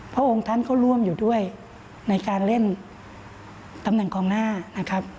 พระองค์ท่านก็ร่วมอยู่ด้วยในการเล่นตำแหน่งกองหน้านะครับ